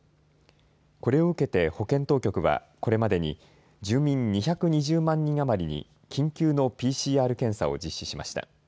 これを受けて保健当局はこれまでに住民２２０万人余りに緊急のＰＣＲ検査を実施しました。